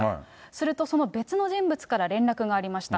すると、その別の人物から連絡がありました。